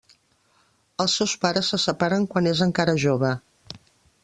Els seus pares se separen quan és encara jove.